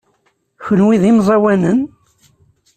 Kenwi d imẓawanen?